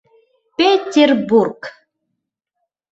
Петербург!